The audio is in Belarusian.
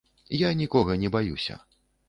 Я нікога не баюся.